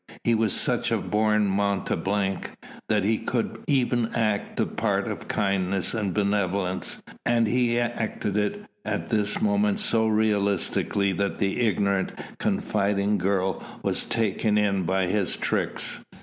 He was such a born mountebank that he could even act the part of kindness and benevolence, and he acted it at this moment so realistically that the ignorant, confiding girl was taken in by his tricks.